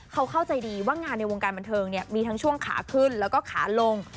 เขาเข้าใจดีว่างานในวงการบันเทิงเนี่ยมีทั้งช่วงขาขึ้นแล้วก็ขาลง